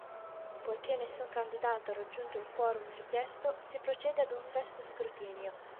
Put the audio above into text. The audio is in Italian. Poiché nessun candidato ha raggiunto il quorum richiesto, si procede ad un sesto scrutinio.